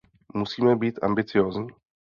Musíme být ambiciózní.